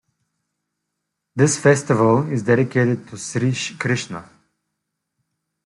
This festival is dedicated to Sri Krishna.